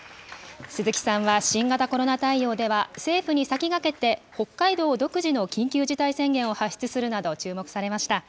鈴木さんは新型コロナ対応では、政府に先駆けて北海道独自の緊急事態宣言を発出するなど、注目されました。